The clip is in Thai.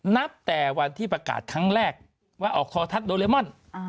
นับแต่วันที่ประกาศครั้งแรกว่าออกคอทัศโดเรมอน